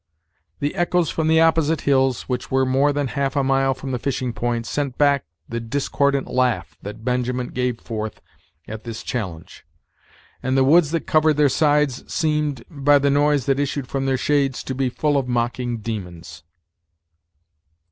The echoes from the opposite hills, which were more than half a mile from the fishing point, sent back the discordant laugh that Benjamin gave forth at this challenge; and the woods that covered their sides seemed, by the noise that issued from their shades, to be full of mocking demons.